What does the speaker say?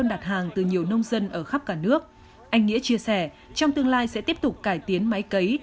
anh nghĩa chia sẻ trong tương lai sẽ tiếp tục cải tiến máy cấy